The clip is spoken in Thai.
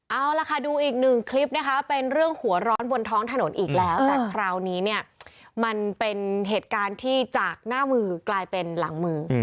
เอาล่ะค่ะดูอีกหนึ่งคลิปนะคะเป็นเรื่องหัวร้อนบนท้องถนนอีกแล้วแต่คราวนี้เนี่ยมันเป็นเหตุการณ์ที่จากหน้ามือกลายเป็นหลังมือ